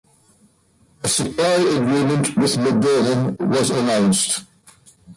A supply agreement with Moderna was announced.